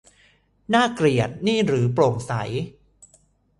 น่ารังเกียจ นี่หรือโปร่งใส